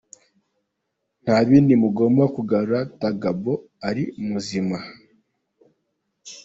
Ntabindi mugomba kugarura Tagbo ari muzima.